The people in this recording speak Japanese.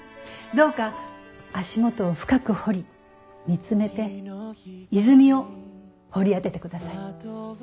どうか足元を深く掘り見つめて泉を掘り当ててください。